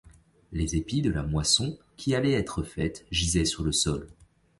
Les épis de la moisson, qui allait être faite, gisaient sur le sol